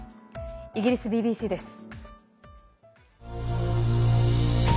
イギリスＢＢＣです。